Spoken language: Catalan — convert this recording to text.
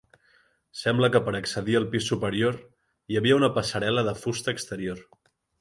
Sembla que per accedir al pis superior hi havia una passarel·la de fusta exterior.